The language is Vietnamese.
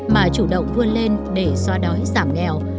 mà chủ động vươn lên để xoa đói giảm nghèo